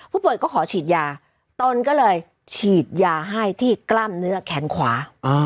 ผู้ป่วยก็ขอฉีดยาตนก็เลยฉีดยาให้ที่กล้ามเนื้อแขนขวา